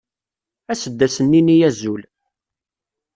As-d ad asen-nini azul.